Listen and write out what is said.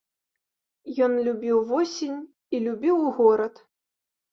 Ён любіў восень і любіў горад.